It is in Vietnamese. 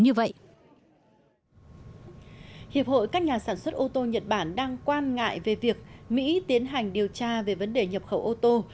như vậy hiệp hội các nhà sản xuất ô tô nhật bản đang quan ngại về việc mỹ tiến hành điều tra về vấn đề nhập khẩu ô tô